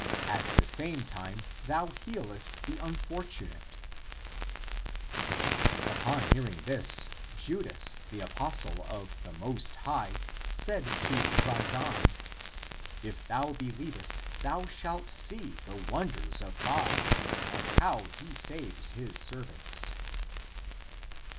At the same time thou healest the unfortunate." Upon hearing this, Judas, the apos tle of the Most High, said to Vazan, " If thou be 1 Syriac : holy man. ACTS OF THOMAS 349 lie vest, thou shalt see the wonders of God, and how he saves his servants."